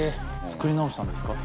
作り直したんですか？